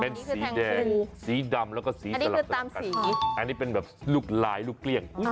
เป็นสีแดงสีดำแล้วก็สีสลับต่างกันอันนี้เป็นแบบลูกลายลูกเกลี้ยง